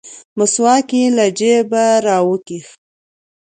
مسواک يې له جيبه راوکيښ.